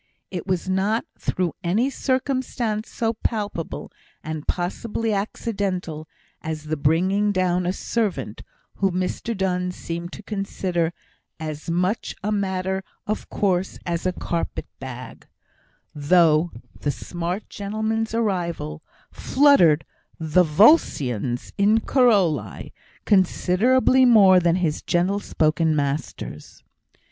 It was not through any circumstance so palpable, and possibly accidental, as the bringing down a servant, whom Mr Donne seemed to consider as much a matter of course as a carpet bag (though the smart gentleman's arrival "fluttered the Volscians in Corioli" considerably more than his gentle spoken master's).